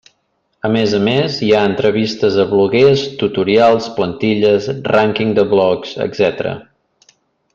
A més a més, hi ha entrevistes a bloguers, tutorials, plantilles, rànquing de blogs, etc.